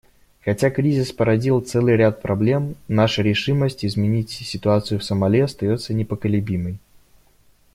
Хотя кризис породил целый ряд проблем, наша решимость изменить ситуацию в Сомали остается непоколебимой.